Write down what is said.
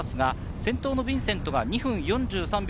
先頭のヴィンセントは２分４３秒。